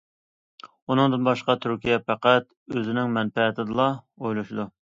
ئۇنىڭدىن باشقا، تۈركىيە پەقەت ئۆزىنىڭ مەنپەئەتىنىلا ئويلىشىدۇ.